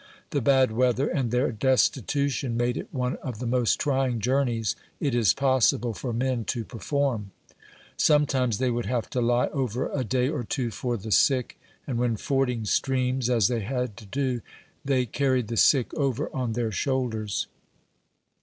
The bad weather, and their destitution, made it one of the most trying journeys it is possible for men to perform. Sometimes they would have to lie over a day or two for the sick, and when fording streams, as they bad to do, they carried the sick over on their shoulders.